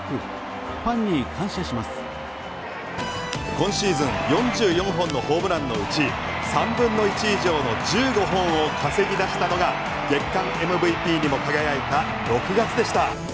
今シーズン４４本のホームランのうち３分の１以上の１５本を稼ぎ出したのが月間ＭＶＰにも輝いた６月でした。